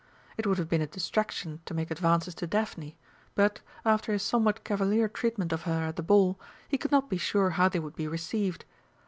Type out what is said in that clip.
It would have been a distraction to make advances to Daphne, but, after his somewhat cavalier treatment of her at the Ball, he could not be sure how they would be received.